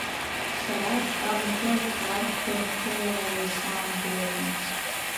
Сара аштаб аҿы ақьаадқәа рыхҩылааҩыс саангылаӡом.